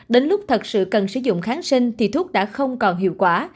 đến lúc thật sự cần sử dụng kháng sinh thì thuốc đã không còn hiệu quả